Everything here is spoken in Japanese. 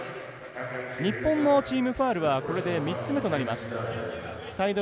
日本のチームファウルは３つ目になります。